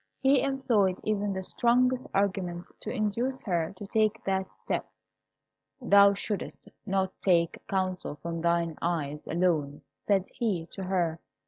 He employed even the strongest arguments to induce her to take that step. "Thou shouldst not take counsel from thine eyes alone," said he to her.